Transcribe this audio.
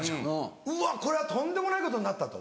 うわこれはとんでもないことになったと。